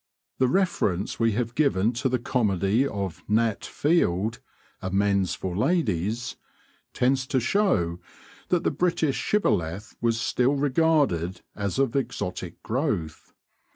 The reference we have given to the comedy of Nat Field, 'Amends for Ladies,' tends to show that the British shibboleth was still regarded as of exotic growth.